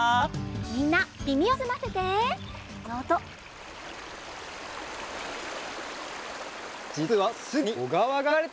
みんなみみをすませてみて。